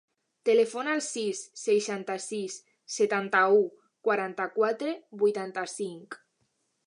Telefona al sis, seixanta-sis, setanta-u, quaranta-quatre, vuitanta-cinc.